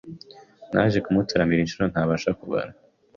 naje kumutaramira inshuro ntabasha kubara